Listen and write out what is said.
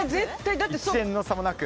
１円の差もなく。